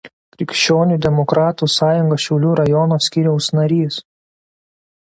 Krikščionių demokratų sąjungos Šiaulių rajono skyriaus narys.